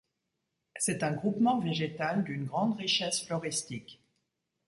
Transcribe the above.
C'est un groupement végétal d'une grande richesse floristique.